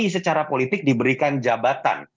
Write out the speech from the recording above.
secara politik diberikan jabatan